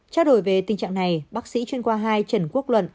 trao đổi về tình trạng này bác sĩ chuyên khoa hai trần quốc luận